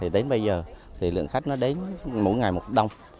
đến bây giờ lượng khách đến mỗi ngày một đồng